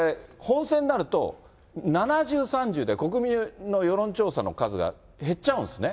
ただ、これ、本選になると、７０・３０で国民世論調査の結果が減っちゃうんですね。